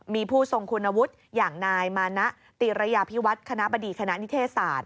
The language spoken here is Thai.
มีผู้ทรงคุณวุฒิอย่างนายมานะติรยาพิวัฒน์คณะบดีคณะนิเทศศาสตร์